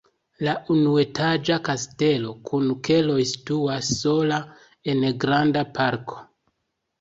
La unuetaĝa kastelo kun keloj situas sola en granda parko.